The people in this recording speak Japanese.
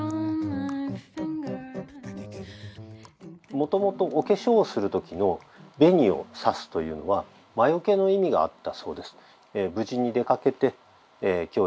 もともとお化粧をする時の「紅をさす」というのは魔よけの意味があったそうです。